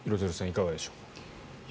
いかがでしょう。